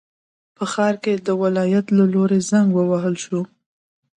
په ښار کې د ولایت له لوري زنګ ووهل شو.